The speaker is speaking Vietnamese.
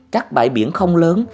các bãi biển không lớn